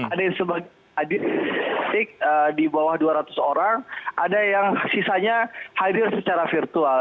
ada yang sebagian di bawah dua ratus orang ada yang sisanya hadir secara virtual